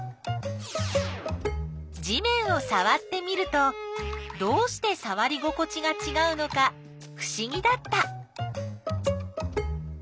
地面をさわってみるとどうしてさわり心地がちがうのかふしぎだった。